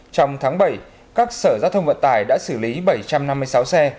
trong tháng bảy các sở giao thông vận tải đã xử lý bảy trăm năm mươi sáu xe